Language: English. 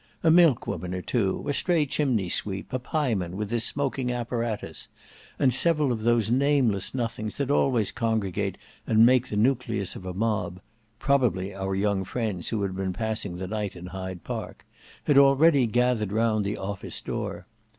A milkwoman or two, a stray chimney sweep, a pieman with his smoking apparatus, and several of those nameless nothings that always congregate and make the nucleus of a mob—probably our young friends who had been passing the night in Hyde Park—had already gathered round the office door.